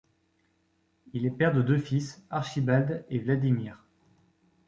Il est père de deux fils, Archibald et Vladimir.